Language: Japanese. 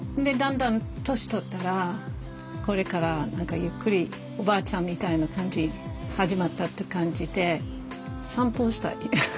だんだん年取ったらこれから何かゆっくりおばあちゃんみたいな感じ始まったって感じで散歩したい。